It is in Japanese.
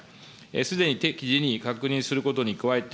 すでに適時に確認することに加えて、